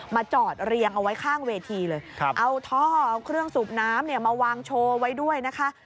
จอดเรียงเอาไว้ข้างเวทีเลยเอาท่อเอาเครื่องสูบน้ำเนี่ยมาวางโชว์ไว้ด้วยนะคะ